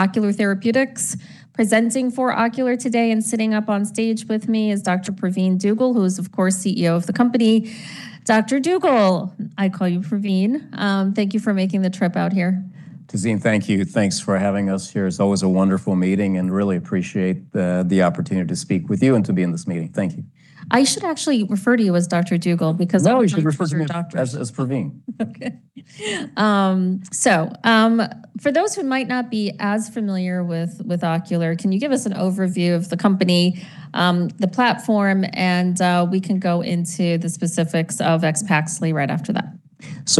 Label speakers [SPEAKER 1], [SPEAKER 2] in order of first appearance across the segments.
[SPEAKER 1] Ocular Therapeutix. Presenting for Ocular today and sitting up on stage with me is Dr. Pravin Dugel, who is of course, CEO of the company. Dr. Dugel, I call you Pravin, thank you for making the trip out here.
[SPEAKER 2] Tazeen, thank you. Thanks for having us here. It's always a wonderful meeting, and really appreciate the opportunity to speak with you and to be in this meeting. Thank you.
[SPEAKER 1] I should actually refer to you as Dr. Dugel because-
[SPEAKER 2] No, you should refer to me as Pravin.
[SPEAKER 1] Okay. For those who might not be as familiar with Ocular, can you give us an overview of the company, the platform, and we can go into the specifics of AXPAXLI right after that?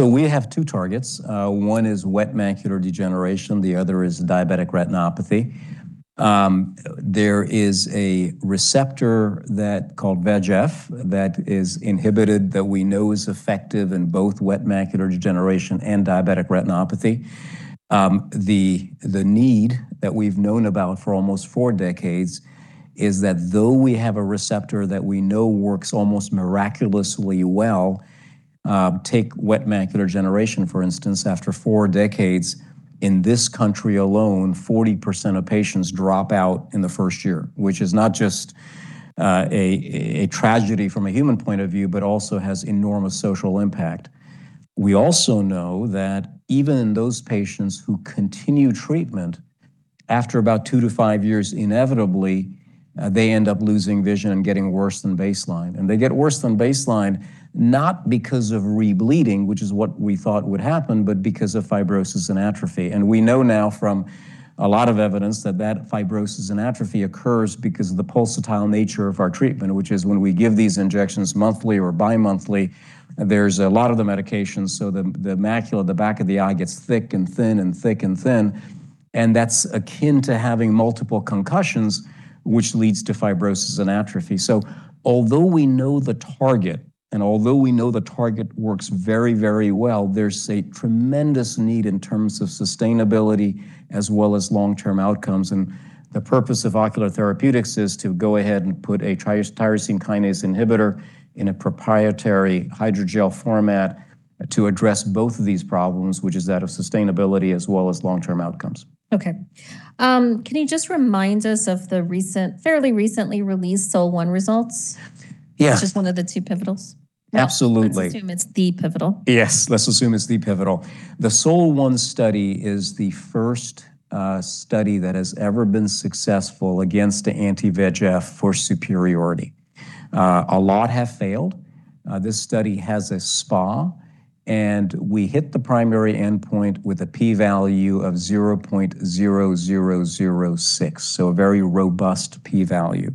[SPEAKER 2] We have two targets. One is wet macular degeneration, the other is diabetic retinopathy. There is a receptor that called VEGF that is inhibited, that we know is effective in both wet macular degeneration and diabetic retinopathy. The need that we've known about for almost four decades is that though we have a receptor that we know works almost miraculously well, take wet macular degeneration for instance, after four decades in this country alone, 40% of patients drop out in the first year, which is not just a tragedy from a human point of view, but also has enormous social impact. We also know that even those patients who continue treatment, after about two-five years, inevitably, they end up losing vision and getting worse than baseline. They get worse than baseline, not because of rebleeding, which is what we thought would happen, but because of fibrosis and atrophy. We know now from a lot of evidence that that fibrosis and atrophy occurs because of the pulsatile nature of our treatment, which is when we give these injections monthly or bimonthly, there's a lot of the medication, so the macula at the back of the eye gets thick and thin and thick and thin, and that's akin to having multiple concussions, which leads to fibrosis and atrophy. Although we know the target and although we know the target works very, very well, there's a tremendous need in terms of sustainability as well as long-term outcomes. The purpose of Ocular Therapeutix is to go ahead and put a tyrosine kinase inhibitor in a proprietary hydrogel format to address both of these problems, which is that of sustainability as well as long-term outcomes.
[SPEAKER 1] Okay. Can you just remind us of the recent, fairly recently released SOL-1 results?
[SPEAKER 2] Yeah.
[SPEAKER 1] Which is one of the two pivotals.
[SPEAKER 2] Absolutely.
[SPEAKER 1] Let's assume it's the pivotal.
[SPEAKER 2] Yes. Let's assume it's the pivotal. The SOL-1 study is the first study that has ever been successful against the anti-VEGF for superiority. A lot have failed. This study has a SPA, and we hit the primary endpoint with a p-value of 0.0006, so a very robust p-value.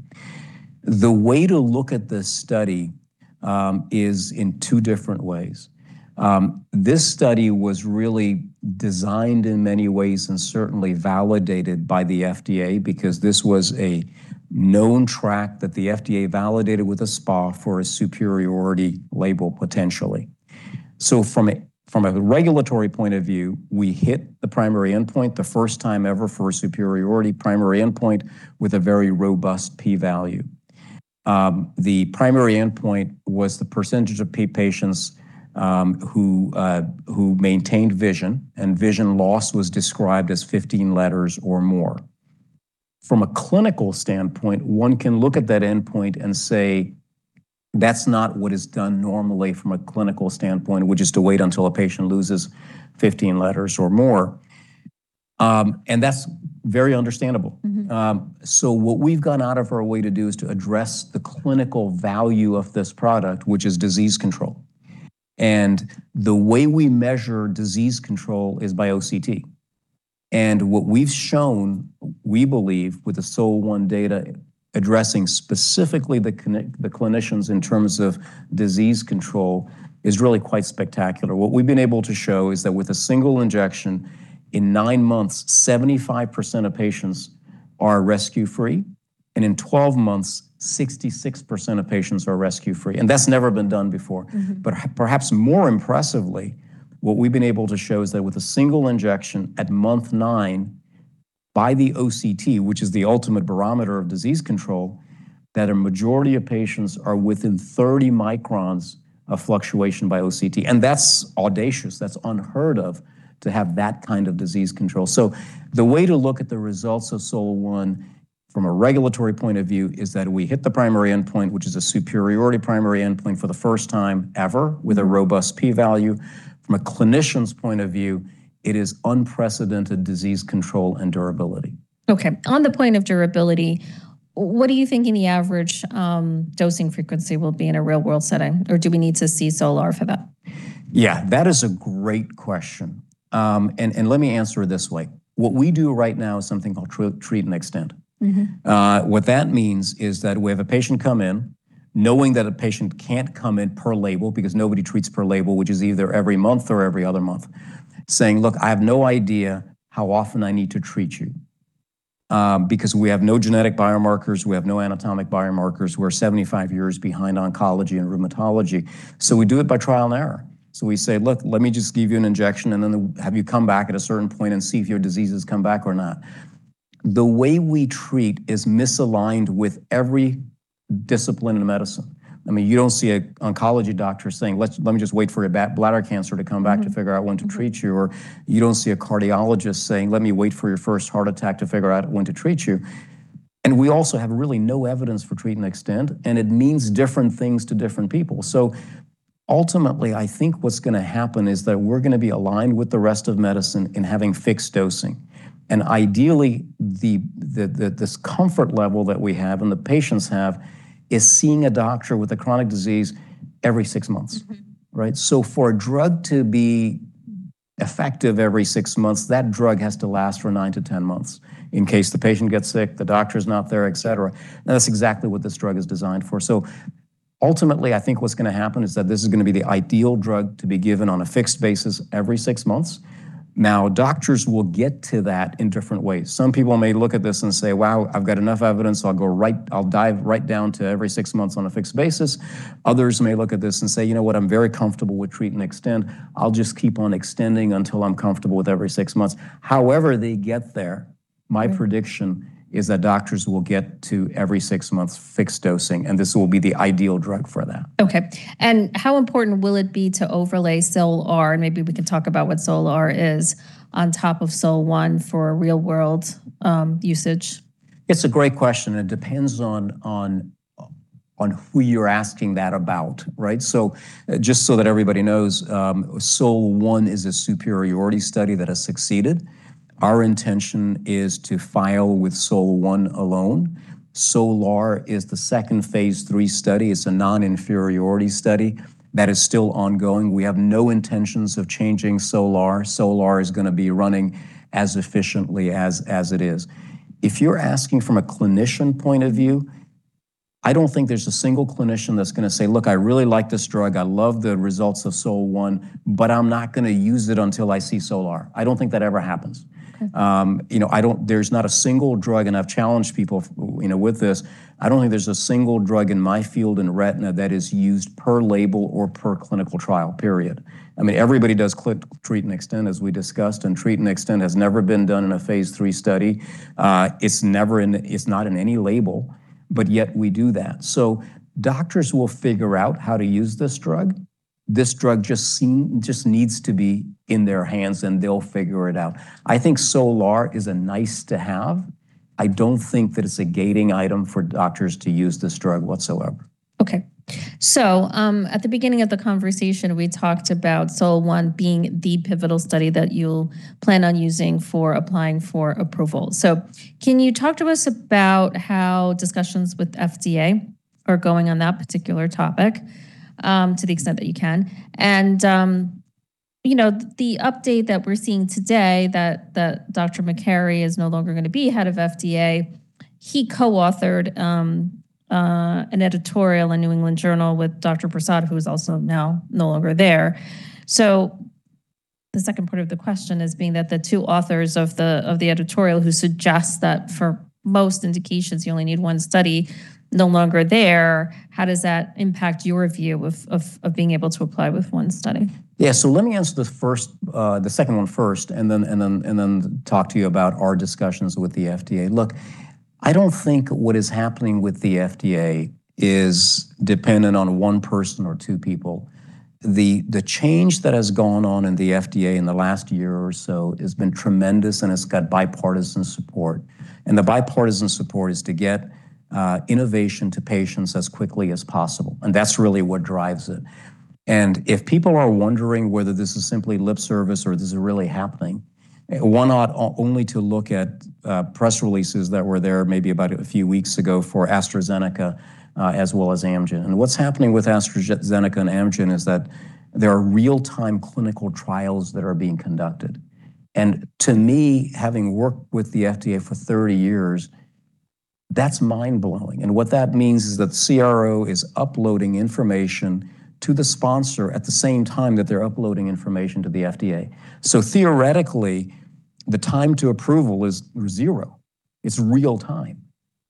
[SPEAKER 2] The way to look at this study is in two different ways. This study was really designed in many ways and certainly validated by the FDA because this was a known track that the FDA validated with a SPA for a superiority label potentially. From a, from a regulatory point of view, we hit the primary endpoint the first time ever for a superiority primary endpoint with a very robust p-value. The primary endpoint was the percentage of patients, who maintained vision, and vision loss was described as 15 letters or more. From a clinical standpoint, one can look at that endpoint and say that's not what is done normally from a clinical standpoint, which is to wait until a patient loses 15 letters or more. That's very understandable. What we've gone out of our way to do is to address the clinical value of this product, which is disease control. The way we measure disease control is by OCT. What we've shown, we believe, with the SOL-1 data addressing specifically the clinicians in terms of disease control, is really quite spectacular. What we've been able to show is that with a single injection, in nine months, 75% of patients are rescue-free, and in 12 months, 66% of patients are rescue-free. That's never been done before. Perhaps more impressively, what we've been able to show is that with a single injection at month nine, by the OCT, which is the ultimate barometer of disease control, that a majority of patients are within 30 microns of fluctuation by OCT. And that's audacious. That's unheard of to have that kind of disease control. The way to look at the results of SOL-1 from a regulatory point of view is that we hit the primary endpoint, which is a superiority primary endpoint for the first time ever with a robust p-value. From a clinician's point of view, it is unprecedented disease control and durability.
[SPEAKER 1] Okay. On the point of durability, what do you think any average dosing frequency will be in a real world setting? Do we need to see SOL-R for that?
[SPEAKER 2] Yeah. That is a great question. And let me answer it this way. What we do right now is something called treat and extend.
[SPEAKER 1] Mm-hmm.
[SPEAKER 2] What that means is that we have a patient come in, knowing that a patient can't come in per label because nobody treats per label, which is either every month or every other month, saying, "Look, I have no idea how often I need to treat you." Because we have no genetic biomarkers, we have no anatomic biomarkers. We're 75 years behind oncology and rheumatology. We do it by trial and error. We say, "Look, let me just give you an injection and then have you come back at a certain point and see if your disease has come back or not." The way we treat is misaligned with every discipline in medicine. I mean, you don't see a oncology doctor saying, "Let me just wait for your bladder cancer to come back to figure out when to treat you," or you don't see a cardiologist saying, "Let me wait for your first heart attack to figure out when to treat you." We also have really no evidence for treat and extend, and it means different things to different people. Ultimately, I think what's gonna happen is that we're gonna be aligned with the rest of medicine in having fixed dosing. And ideally, the comfort level that we have and the patients have is seeing a doctor with a chronic disease every six months. Right. For a drug to be effective every six months, that drug has to last for nine to 10 months in case the patient gets sick, the doctor's not there, et cetera. That's exactly what this drug is designed for. Ultimately, I think what's gonna happen is that this is gonna be the ideal drug to be given on a fixed basis every six months. Doctors will get to that in different ways. Some people may look at this and say, "Wow, I've got enough evidence, I'll dive right down to every six months on a fixed basis." Others may look at this and say, "You know what? I'm very comfortable with treat and extend. I'll just keep on extending until I'm comfortable with every six months. However, they get there. My prediction is that doctors will get to every six months fixed dosing, and this will be the ideal drug for that.
[SPEAKER 1] Okay. How important will it be to overlay SOL-R, and maybe we can talk about what SOL-R is, on top of SOL-1 for real-world usage?
[SPEAKER 2] It's a great question. It depends on who you're asking that about, right? So, just so that everybody knows, SOL-1 is a superiority study that has succeeded. Our intention is to file with SOL-1 alone. SOL-R is the second phase III study. It's a non-inferiority study that is still ongoing. We have no intentions of changing SOL-R. SOL-R is going to be running as efficiently as it is. If you're asking from a clinician point of view, I don't think there's a single clinician that's going to say, "Look, I really like this drug. I love the results of SOL-1. I'm not going to use it until I see SOL-R." I don't think that ever happens.
[SPEAKER 1] Okay.
[SPEAKER 2] You know, there's not a single drug, and I've challenged people you know, with this, I don't think there's a single drug in my field in retina that is used per label or per clinical trial, period. I mean, everybody does treat and extend, as we discussed, and treat and extend has never been done in a phase III study. It's not in any label, but yet we do that. Doctors will figure out how to use this drug. This drug just needs to be in their hands, and they'll figure it out. I think SOL-R is a nice-to-have. I don't think that it's a gating item for doctors to use this drug whatsoever.
[SPEAKER 1] Okay, so. At the beginning of the conversation, we talked about SOL-1 being the pivotal study that you'll plan on using for applying for approval. Can you talk to us about how discussions with FDA are going on that particular topic, to the extent that you can? You know, the update that we're seeing today that Dr. Makary is no longer gonna be head of FDA, he co-authored an editorial in The New England Journal of Medicine with Dr. Prasad, who is also now no longer there. The second part of the question is being that the two authors of the editorial who suggest that for most indications you only need one study, no longer there, how does that impact your view of being able to apply with one study?
[SPEAKER 2] Yeah. Let me answer the second one first, and then talk to you about our discussions with the FDA. Look, I don't think what is happening with the FDA is dependent on one person or two people. The change that has gone on in the FDA in the last year or so has been tremendous, and it's got bipartisan support, and the bipartisan support is to get innovation to patients as quickly as possible, and that's really what drives it. If people are wondering whether this is simply lip service or this is really happening, one ought only to look at press releases that were there maybe about a few weeks ago for AstraZeneca, as well as Amgen. What's happening with AstraZeneca and Amgen is that there are real-time clinical trials that are being conducted. To me, having worked with the FDA for 30 years, that's mind-blowing. What that means is that CRO is uploading information to the sponsor at the same time that they're uploading information to the FDA. Theoretically, the time to approval is zero. It's real time,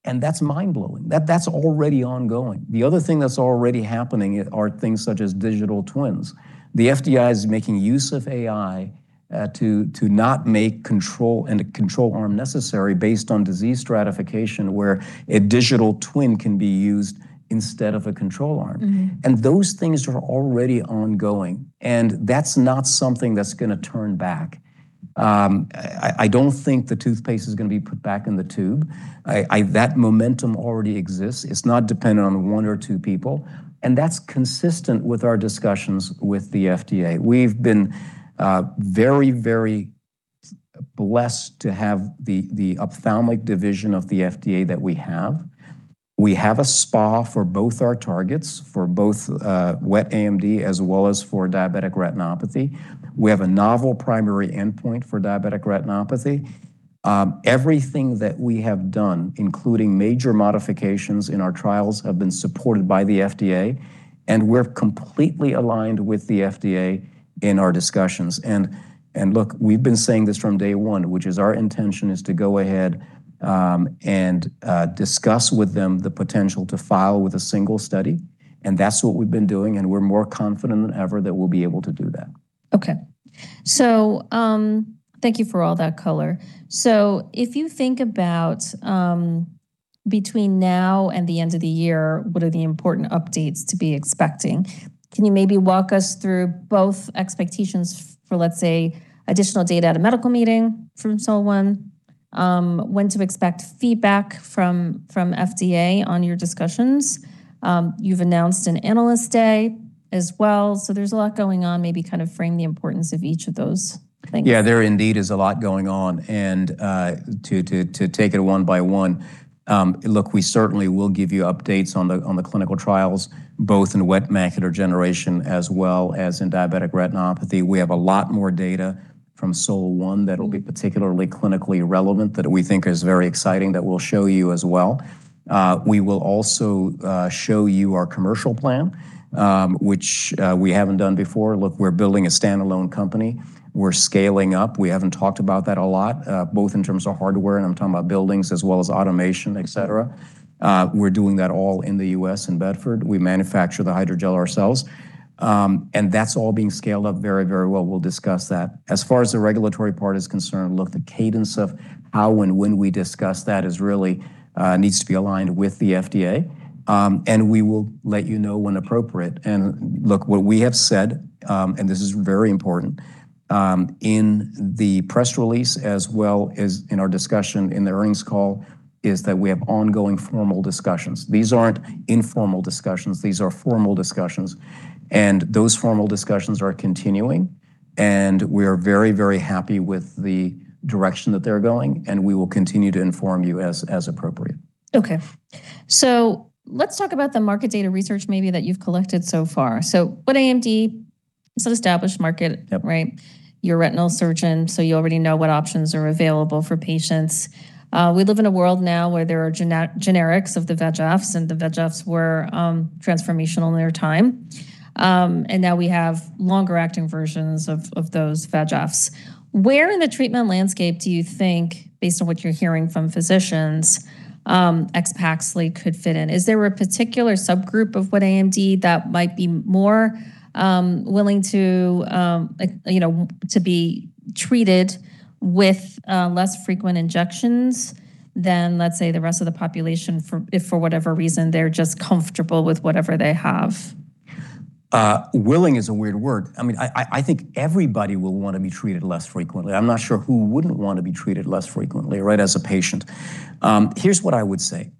[SPEAKER 2] and that's mind-blowing. That's already ongoing. The other thing that's already happening are things such as digital twins. The FDA is making use of AI to not make control and a control arm necessary based on disease stratification, where a digital twin can be used instead of a control arm.
[SPEAKER 1] Mm-hmm.
[SPEAKER 2] Those things are already ongoing, and that's not something that's gonna turn back. I don't think the toothpaste is gonna be put back in the tube. That momentum already exists. It's not dependent on one or two people, and that's consistent with our discussions with the FDA. We've been very, very blessed to have the ophthalmic division of the FDA that we have. We have a SPA for both our targets, for both wet AMD as well as for diabetic retinopathy. We have a novel primary endpoint for diabetic retinopathy. Everything that we have done, including major modifications in our trials, have been supported by the FDA, and we're completely aligned with the FDA in our discussions. Look, we've been saying this from day one, which is our intention is to go ahead, and discuss with them the potential to file with a single study, and that's what we've been doing, and we're more confident than ever that we'll be able to do that.
[SPEAKER 1] Okay. Thank you for all that color. If you think about between now and the end of the year, what are the important updates to be expecting? Can you maybe walk us through both expectations for, let's say, additional data at a medical meeting from SOL-1, when to expect feedback from FDA on your discussions? You've announced an analyst day as well, so there's a lot going on. Maybe kind of frame the importance of each of those, I think.
[SPEAKER 2] Yeah, there indeed is a lot going on, and to take it one by one, look, we certainly will give you updates on the clinical trials, both in wet macular degeneration as well as in diabetic retinopathy. We have a lot more data from SOL-1 that'll be particularly clinically relevant that we think is very exciting that we'll show you as well. We will also show you our commercial plan, which we haven't done before. Look, we're building a standalone company. We're scaling up. We haven't talked about that a lot, both in terms of hardware, and I'm talking about buildings as well as automation, et cetera. We're doing that all in the U.S. in Bedford. We manufacture the hydrogel ourselves, and that's all being scaled up very, very well. We'll discuss that. As far as the regulatory part is concerned, look, the cadence of how and when we discuss that is really needs to be aligned with the FDA, and we will let you know when appropriate. Look, what we have said, and this is very important, in the press release as well as in our discussion in the earnings call, is that we have ongoing formal discussions. These aren't informal discussions. These are formal discussions, those formal discussions are continuing, we are very, very happy with the direction that they're going, and we will continue to inform you as appropriate.
[SPEAKER 1] Okay. Let's talk about the market data research maybe that you've collected so far. wet AMD is an established market. Yep, right? You're a retinal surgeon, you already know what options are available for patients. We live in a world now where there are generics of the VEGFs, and the VEGFs were transformational in their time. And now we have longer-acting versions of those VEGFs. Where in the treatment landscape do you think, based on what you're hearing from physicians, AXPAXLI could fit in? Is there a particular subgroup of wet AMD that might be more willing to, like, you know, to be treated with less frequent injections than, let's say, the rest of the population if for whatever reason they're just comfortable with whatever they have?
[SPEAKER 2] Willing is a weird word. I mean, I think everybody will want to be treated less frequently. I'm not sure who wouldn't want to be treated less frequently, right, as a patient. Here's what I would say.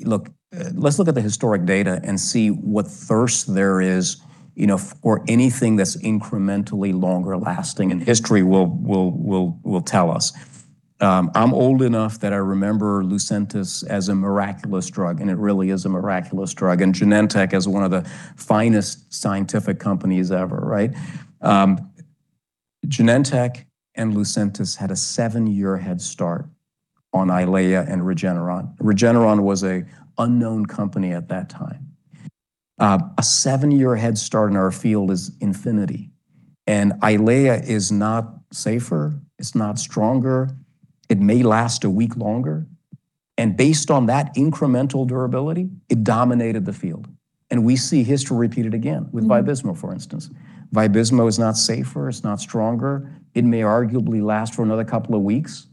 [SPEAKER 2] Look, let's look at the historic data and see what thirst there is, you know, for anything that's incrementally longer-lasting, and history will tell us. I'm old enough that I remember Lucentis as a miraculous drug, and it really is a miraculous drug, and Genentech as one of the finest scientific companies ever, right? Genentech and Lucentis had a seven-year head start on Eylea and Regeneron. Regeneron was a unknown company at that time. A seven-year head start in our field is infinity, and Eylea is not safer. It's not stronger. It may last a week longer. Based on that incremental durability, it dominated the field. We see history repeated again with Vabysmo, for instance. Vabysmo is not safer. It's not stronger. It may arguably last for another couple of weeks,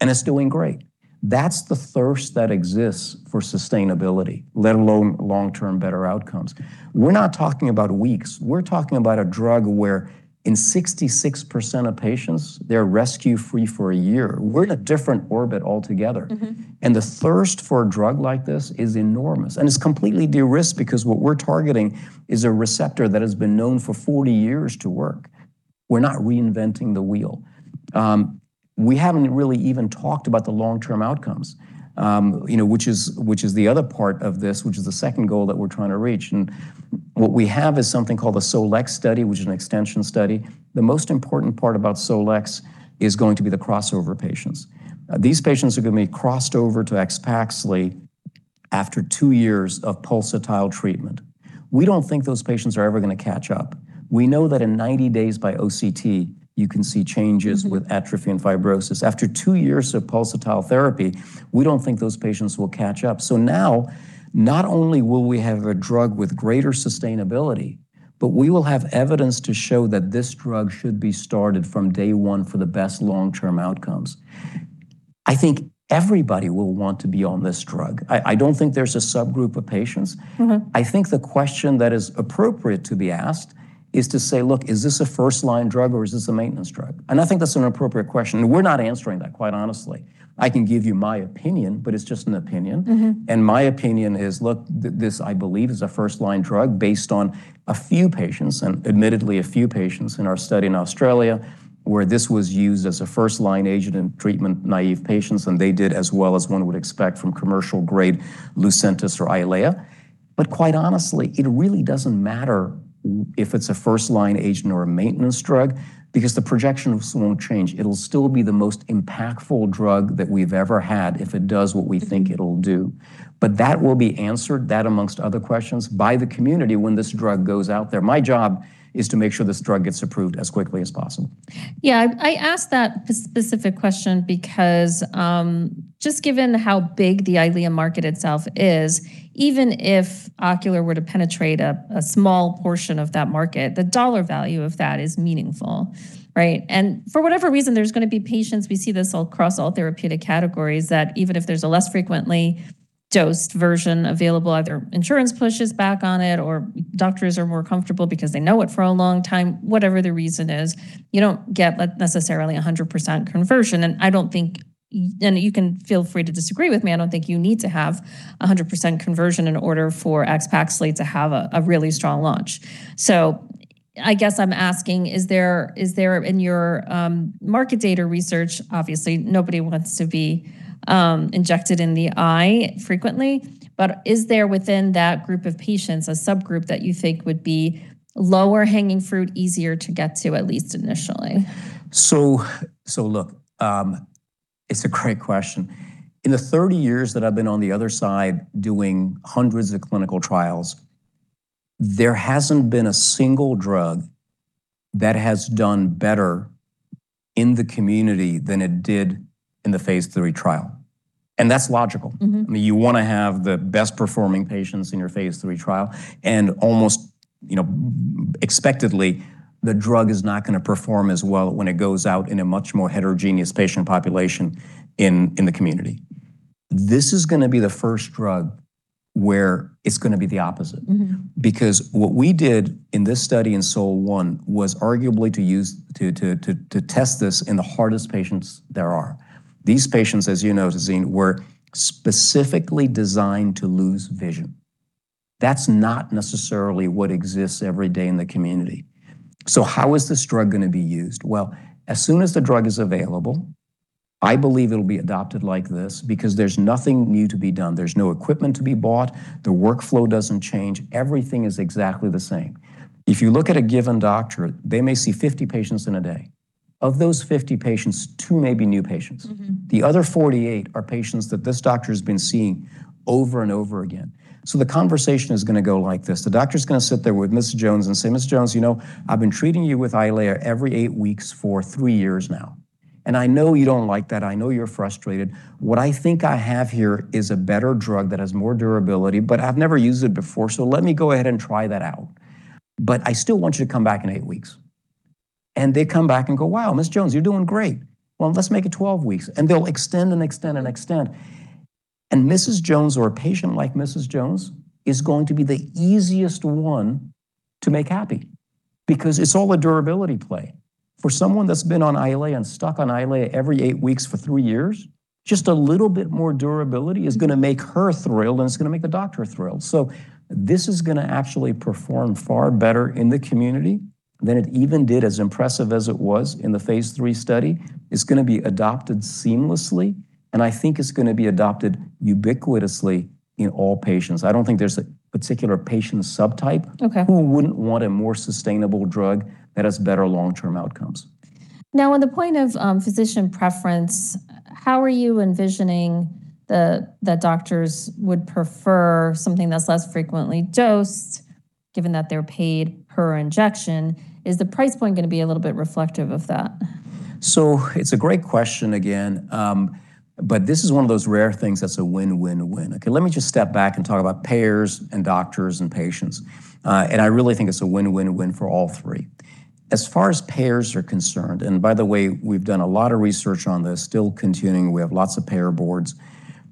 [SPEAKER 2] and it's doing great. That's the thirst that exists for sustainability, let alone long-term better outcomes. We're not talking about weeks. We're talking about a drug where in 66% of patients, they're rescue free for a year. We're in a different orbit altogether. The thirst for a drug like this is enormous, and it's completely de-risked because what we're targeting is a receptor that has been known for 40 years to work. We're not reinventing the wheel. We haven't really even talked about the long-term outcomes, you know, which is the other part of this, which is the second goal that we're trying to reach. What we have is something called a SOL-X study, which is an extension study. The most important part about SOL-X is going to be the crossover patients. These patients are gonna be crossed over to AXPAXLI after two years of pulsatile treatment. We don't think those patients are ever gonna catch up. We know that in 90 days by OCT, you can see changes With atrophy and fibrosis. After two years of pulsatile therapy, we don't think those patients will catch up. Now, not only will we have a drug with greater sustainability, but we will have evidence to show that this drug should be started from day one for the best long-term outcomes. I think everybody will want to be on this drug. I don't think there's a subgroup of patients.
[SPEAKER 1] Mm-hmm.
[SPEAKER 2] I think the question that is appropriate to be asked is to say, "Look, is this a first-line drug, or is this a maintenance drug?" I think that's an appropriate question. We're not answering that, quite honestly. I can give you my opinion, but it's just an opinion.
[SPEAKER 1] Mm-hmm.
[SPEAKER 2] My opinion is, look, this, I believe, is a first-line drug based on a few patients, and admittedly a few patients in our study in Australia, where this was used as a first-line agent in treatment-naive patients, and they did as well as one would expect from commercial-grade Lucentis or Eylea. But quite honestly, it really doesn't matter if it's a first-line agent or a maintenance drug because the projection of this won't change. It'll still be the most impactful drug that we've ever had if it does what we think it'll do. That will be answered, that amongst other questions, by the community when this drug goes out there. My job is to make sure this drug gets approved as quickly as possible.
[SPEAKER 1] I asked that specific question because just given how big the Eylea market itself is, even if Ocular were to penetrate a small portion of that market, the dollar value of that is meaningful, right? For whatever reason, there's going to be patients, we see this all across all therapeutic categories, that even if there's a less frequently dosed version available, either insurance pushes back on it or doctors are more comfortable because they know it for a long time. Whatever the reason is, you don't get necessarily 100% conversion. I don't think, and you can feel free to disagree with me, I don't think you need to have 100% conversion in order for AXPAXLI to have a really strong launch. I guess I'm asking, is there in your market data research, obviously nobody wants to be injected in the eye frequently, but is there within that group of patients a subgroup that you think would be lower-hanging fruit, easier to get to, at least initially?
[SPEAKER 2] Look, it's a great question. In the 30 years that I've been on the other side doing hundreds of clinical trials, there hasn't been a single drug that has done better in the community than it did in the phase III trial. That's logical.
[SPEAKER 1] Mm-hmm.
[SPEAKER 2] I mean, you want to have the best performing patients in your phase III trial. Almost, you know, expectedly, the drug is not going to perform as well when it goes out in a much more heterogeneous patient population in the community. This is going to be the first drug where it's going to be the opposite.
[SPEAKER 1] Mm-hmm.
[SPEAKER 2] What we did in this study in SOL-1 was arguably to test this in the hardest patients there are. These patients, as you know, Tazeen, were specifically designed to lose vision. That's not necessarily what exists every day in the community. How is this drug going to be used? Well, as soon as the drug is available, I believe it'll be adopted like this because there's nothing new to be done. There's no equipment to be bought. The workflow doesn't change. Everything is exactly the same. If you look at a given doctor, they may see 50 patients in a day. Of those 50 patients, two may be new patients. The other 48 are patients that this doctor's been seeing over and over again. The conversation is going to go like this. The doctor's going to sit there with Mrs. Jones and say, "Mrs. Jones, you know, I've been treating you with Eylea every eight weeks for three years now. I know you don't like that. I know you're frustrated. What I think I have here is a better drug that has more durability, but I've never used it before, so let me go ahead and try that out. I still want you to come back in eight weeks." They come back and go, "Wow, Mrs. Jones, you're doing great. Well, let's make it 12 weeks." They'll extend and extend and extend. Mrs. Jones or a patient like Mrs. Jones is going to be the easiest one to make happy because it's all a durability play. For someone that's been on Eylea and stuck on Eylea every eight weeks for three years, just a little bit more durability is going to make her thrilled, and it's going to make the doctor thrilled. This is going to actually perform far better in the community than it even did as impressive as it was in the phase III study. It's going to be adopted seamlessly, and I think it's going to be adopted ubiquitously in all patients. I don't think there's a particular patient subtype.
[SPEAKER 1] Okay.
[SPEAKER 2] Who wouldn't want a more sustainable drug that has better long-term outcomes?
[SPEAKER 1] Now on the point of physician preference, how are you envisioning that doctors would prefer something that's less frequently dosed given that they're paid per injection? Is the price point going to be a little bit reflective of that?
[SPEAKER 2] It's a great question again, but this is one of those rare things that's a win-win-win. Okay, let me just step back and talk about payers and doctors and patients. I really think it's a win-win-win for all three. As far as payers are concerned, and by the way, we've done a lot of research on this, still continuing. We have lots of payer boards,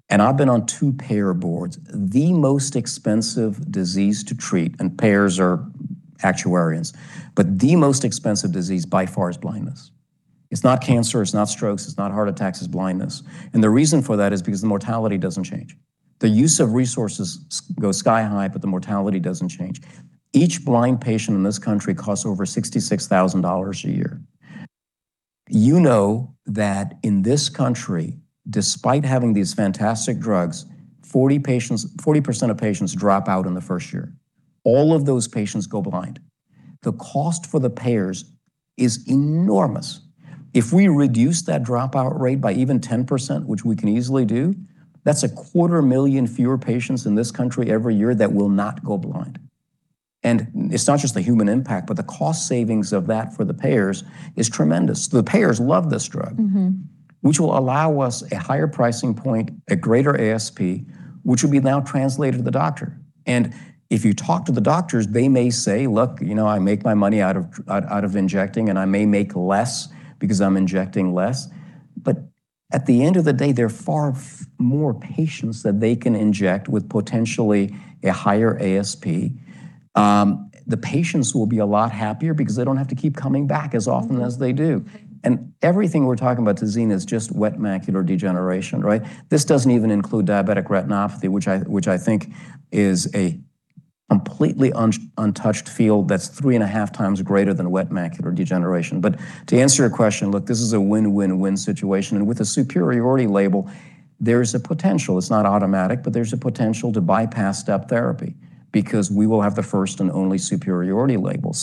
[SPEAKER 2] and I've been on two payer boards. The most expensive disease to treat, and payers are actuaries, but the most expensive disease by far is blindness. It's not cancer, it's not strokes, it's not heart attacks, it's blindness. The reason for that is because the mortality doesn't change. The use of resources go sky high, but the mortality doesn't change. Each blind patient in this country costs over $66,000 a year. You know that in this country, despite having these fantastic drugs, 40 patients, 40% of patients drop out in the first year. All of those patients go blind. The cost for the payers is enormous. If we reduce that dropout rate by even 10%, which we can easily do, that's a quarter of a million fewer patients in this country every year that will not go blind. It's not just the human impact, but the cost savings of that for the payers is tremendous. The payers love this drug.
[SPEAKER 1] Mm-hmm.
[SPEAKER 2] Which will allow us a higher pricing point, a greater ASP, which will be now translated to the doctor. If you talk to the doctors, they may say, "Look, you know, I make my money out of injecting, and I may make less because I'm injecting less." At the end of the day, there are far more patients that they can inject with potentially a higher ASP. The patients will be a lot happier because they don't have to keep coming back as often as they do. Everything we're talking about, Tazeen, is just wet macular degeneration, right? This doesn't even include diabetic retinopathy, which I think is a completely untouched field that's 3.5 times greater than wet macular degeneration. To answer your question, look, this is a win-win-win situation. With a superiority label, there's a potential. It's not automatic, but there's a potential to bypass step therapy because we will have the first and only superiority label.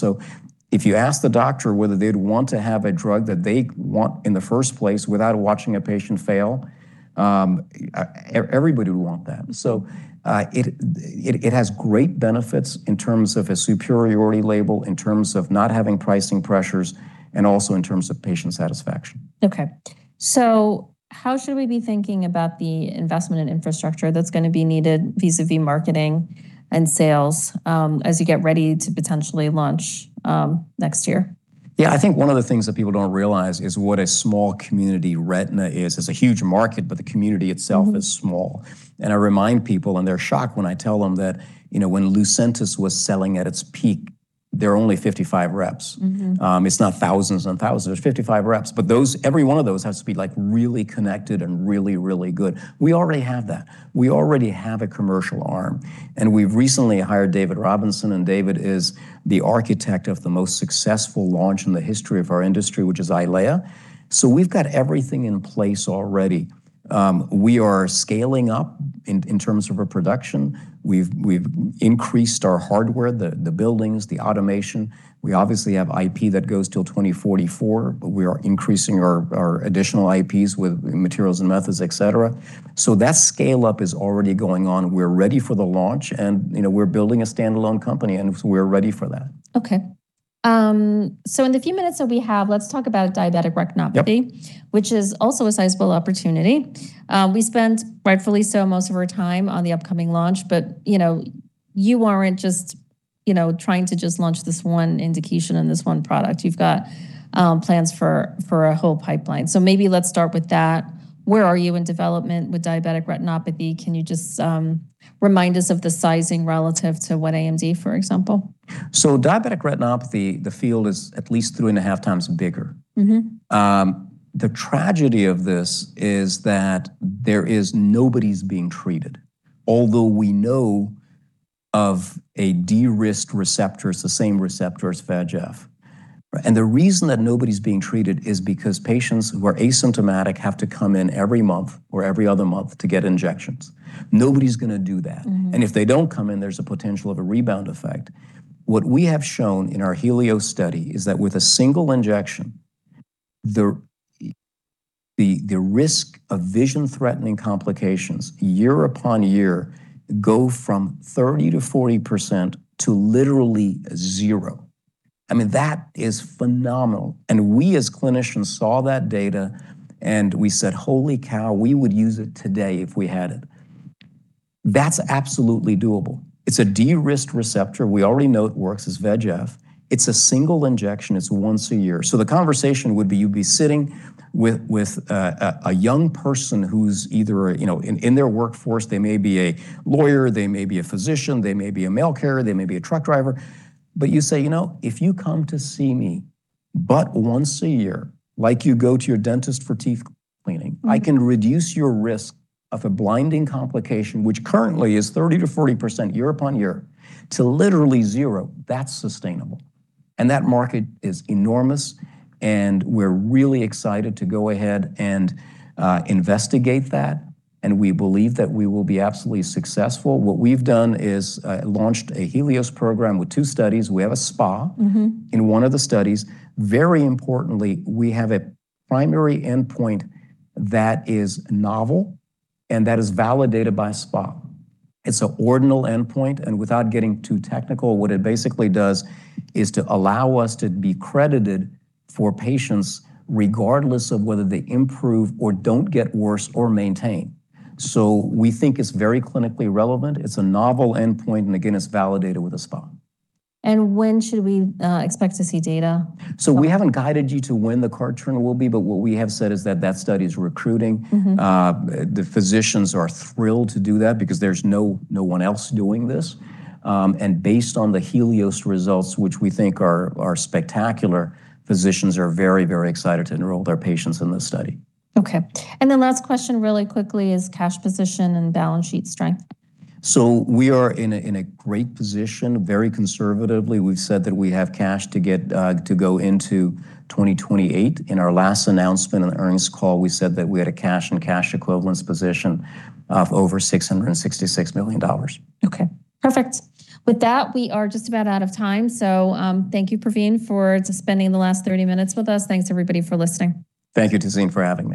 [SPEAKER 2] If you ask the doctor whether they'd want to have a drug that they want in the first place without watching a patient fail, everybody would want that. It has great benefits in terms of a superiority label, in terms of not having pricing pressures, and also in terms of patient satisfaction.
[SPEAKER 1] Okay. How should we be thinking about the investment in infrastructure that's going to be needed vis-à-vis marketing and sales, as you get ready to potentially launch next year?
[SPEAKER 2] Yeah. I think one of the things that people don't realize is what a small community retina is. It's a huge market, but the community itself-
[SPEAKER 1] Mm-hmm.
[SPEAKER 2] is small. I remind people, and they're shocked when I tell them that, you know, when Lucentis was selling at its peak, there were only 55 reps.
[SPEAKER 1] Mm-hmm.
[SPEAKER 2] It's not thousands and thousands. There's 55 reps. Every one of those has to be, like, really connected and really good. We already have that. We already have a commercial arm, and we've recently hired David Robinson, and David is the architect of the most successful launch in the history of our industry, which is Eylea. We've got everything in place already. We are scaling up in terms of our production. We've increased our hardware, the buildings, the automation. We obviously have IP that goes till 2044, but we are increasing our additional IPs with materials and methods, et cetera. That scale-up is already going on. We're ready for the launch, and, you know, we're building a standalone company, and we're ready for that.
[SPEAKER 1] Okay. In the few minutes that we have, let's talk about diabetic retinopathy.
[SPEAKER 2] Yep.
[SPEAKER 1] Which is also a sizable opportunity. We spent, rightfully so, most of our time on the upcoming launch. You know, you aren't just trying to just launch this one indication and this one product. You've got plans for a whole pipeline. Maybe let's start with that. Where are you in development with diabetic retinopathy? Can you just remind us of the sizing relative to what AMD, for example?
[SPEAKER 2] Diabetic retinopathy, the field is at 3.5 times bigger.
[SPEAKER 1] Mm-hmm.
[SPEAKER 2] The tragedy of this is that there is nobody's being treated, although we know of a de-risked receptor. It's the same receptor as VEGF. Right? The reason that nobody's being treated is because patients who are asymptomatic have to come in every month or every other month to get injections. Nobody's gonna do that. If they don't come in, there's a potential of a rebound effect. What we have shown in our HELIOS study is that with a single injection, the risk of vision-threatening complications year upon year go from 30%-40% to literally zero. I mean, that is phenomenal. We as clinicians saw that data, and we said, "Holy cow, we would use it today if we had it." That's absolutely doable. It's a de-risked receptor. We already know it works as VEGF. It's a single injection. It's once a year. The conversation would be you'd be sitting with a young person who's either, you know, in their workforce. They may be a lawyer. They may be a physician. They may be a mail carrier. They may be a truck driver. You say, "You know, if you come to see me but once a year, like you go to your dentist for teeth cleaning."
[SPEAKER 1] Mm-hmm.
[SPEAKER 2] "I can reduce your risk of a blinding complication," which currently is 30%-40% year upon year, to literally zero. That's sustainable. That market is enormous, and we're really excited to go ahead and investigate that, and we believe that we will be absolutely successful. What we've done is launched a HELIOS program with two studies. We have a SPA-
[SPEAKER 1] Mm-hmm.
[SPEAKER 2] in one of the studies. Very importantly, we have a primary endpoint that is novel and that is validated by SPA. It's an ordinal endpoint. Without getting too technical, what it basically does is to allow us to be credited for patients regardless of whether they improve or don't get worse or maintain. We think it's very clinically relevant. It's a novel endpoint. Again, it's validated with a SPA.
[SPEAKER 1] When should we expect to see data?
[SPEAKER 2] We haven't guided you to when the cartridge will be, but what we have said is that that study is recruiting.
[SPEAKER 1] Mm-hmm.
[SPEAKER 2] The physicians are thrilled to do that because there's no one else doing this. Based on the HELIOS results, which we think are spectacular, physicians are very excited to enroll their patients in this study.
[SPEAKER 1] Okay. Last question really quickly is cash position and balance sheet strength.
[SPEAKER 2] We are in a great position. Very conservatively, we've said that we have cash to go into 2028. In our last announcement on the earnings call, we said that we had a cash and cash equivalents position of over $666 million.
[SPEAKER 1] Okay. Perfect. With that, we are just about out of time. Thank you, Pravin, for spending the last 30 minutes with us. Thanks, everybody, for listening.
[SPEAKER 2] Thank you, Tazeen, for having me.